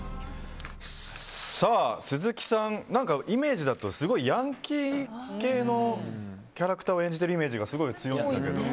鈴木さん、イメージだとヤンキー系のキャラクターを演じているイメージがすごい強いけど。